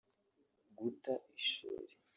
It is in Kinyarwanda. guta ishuri